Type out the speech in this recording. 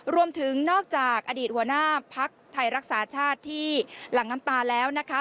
รวมถึงนอกจากอดีตหัวหน้าภักดิ์ไทยรักษาชาติที่หลังน้ำตาแล้วนะคะ